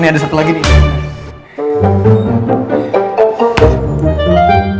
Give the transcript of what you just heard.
ini ada satu lagi nih